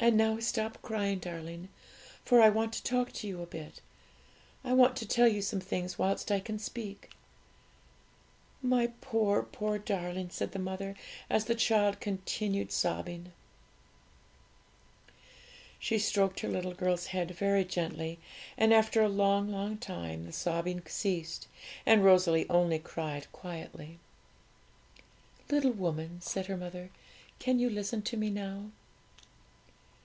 And now stop crying, darling, for I want to talk to you a bit; I want to tell you some things whilst I can speak. 'My poor, poor darling!' said the mother, as the child continued sobbing. She stroked her little girl's head very gently; and after a long, long time the sobbing ceased, and Rosalie only cried quietly. 'Little woman,' said her mother, 'can you listen to me now?'